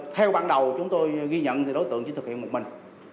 theo ban đầu chúng tôi ghi nhận thì đối tượng chỉ thực hiện một mình